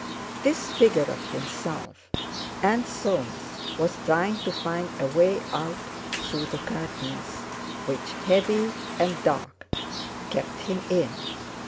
This figure of himself and Soames was trying to find a way out through the curtains, which, heavy and dark, kept him in.